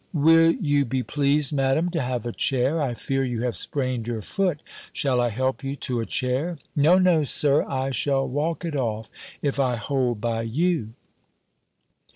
"Will you be pleased, Madam, to have a chair? I fear you have sprained your foot. Shall I help you to a chair?" "No, no, Sir, I shall walk it off, if I hold by you."